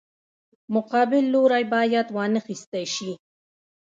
مقابل لوری باید وانخیستی شي.